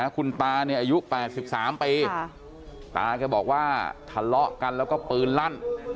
คุณตาเนี่ยอายุ๘๓ปีตาแกบอกว่าทะเลาะกันแล้วก็ปืนลั่น